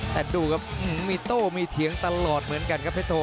แต่ดูครับมีโต้มีเถียงตลอดเหมือนกันครับเพชรโท